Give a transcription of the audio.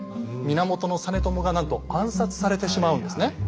源実朝がなんと暗殺されてしまうんですね。